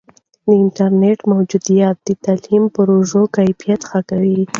د انټرنیټ موجودیت د تعلیمي پروژو کیفیت ښه کوي.